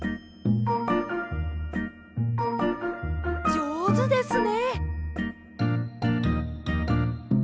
じょうずですね。